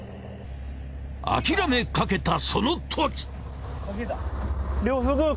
諦めかけたその時。